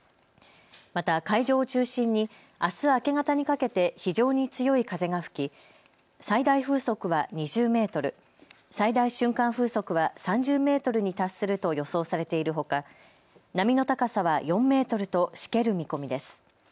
また海上を中心にあす明け方にかけて非常に強い風が吹き最大風速は２０メートル、最大瞬間風速は３０メートルに達すると予想されているほか波の高さは４メートルとしける見込みです。